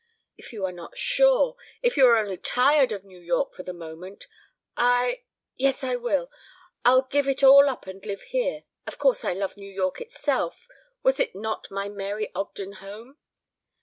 If you are not sure if you are only tired of New York for the moment. ... I yes, I will! I'll give it all up and live here. Of course I love New York itself was it not my Mary Ogden home?